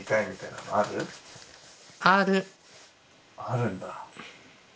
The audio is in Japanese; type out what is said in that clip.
あるんだ。